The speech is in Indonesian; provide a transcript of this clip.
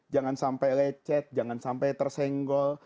jangan sampai lecet jangan sampai tersenggol